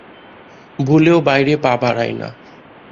ভুলেও বাইরে পা বাড়াই না।